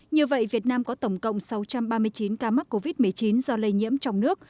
như vậy việt nam có tổng cộng sáu trăm ba mươi chín ca mắc covid một mươi chín do lây nhiễm trong nước